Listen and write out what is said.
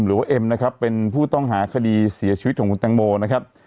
เอ็มนะครับเป็นผู้ต้องหาคดีเสียชีวิตของคุณแตงโมนะครับ